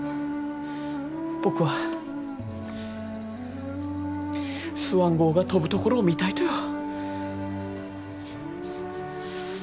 僕はスワン号が飛ぶところを見たいとよ。